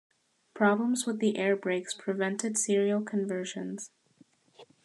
Problems with the air brakes prevented serial conversions.